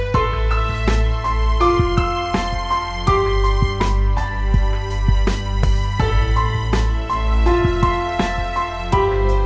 kau menghilang site episode selanjutnya